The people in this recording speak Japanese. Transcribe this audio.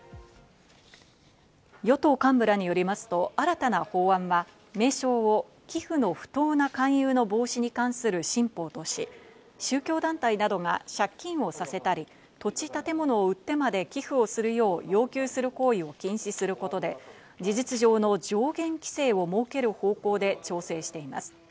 与党幹部らによりますと、新たな法案は名称を「寄付の不当な勧誘の防止に関する新法」とし、宗教団体などが借金をさせたり、土地・建物を売ってまで寄付をするよう要求する行為を禁止することで事実上の上限規制を設ける方向で調整しています。